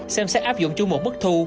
xem xét áp dụng chung một mức thu